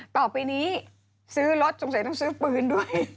ต่อไปนี้ซื้อรถสงสัยต้องซื้อปืนด้วย